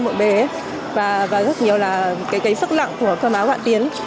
một bề và rất nhiều là cái sức lặng của cơ máu hoạt tiến